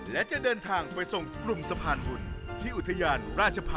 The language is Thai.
และจะเดินทางไปส่งกลุ่มสะพานบุญที่อุทยานราชภัณ